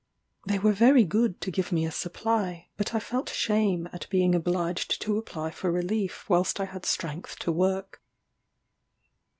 They were very good to give me a supply, but I felt shame at being obliged to apply for relief whilst I had strength to work.